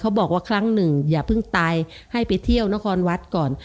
บอกว่าครั้งหนึ่งอย่าเพิ่งตายให้ไปเที่ยวนครวัดก่อน